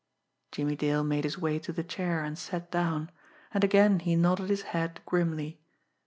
Jimmie Dale made his way to the chair, and sat down and again he nodded his head grimly.